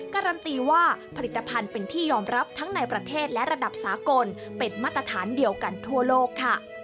การันตีว่าผลิตภัณฑ์เป็นที่ยอมรับทั้งในประเทศและระดับสากลเป็นมาตรฐานเดียวกันทั่วโลกค่ะ